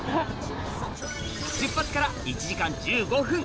出発から１時間１５分